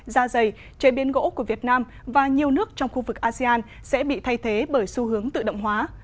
da dày chế biến gỗ của việt nam và nhiều nước trong khu vực asean sẽ bị thay thế bởi xu hướng tự động hóa